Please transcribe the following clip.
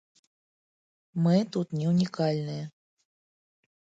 Мы тут не ўнікальныя.